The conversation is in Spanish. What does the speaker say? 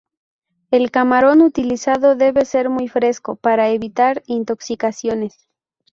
El camarón utilizado debe ser muy fresco para evitar intoxicaciones.